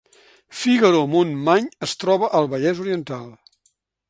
Figaró-Montmany es troba al Vallès Oriental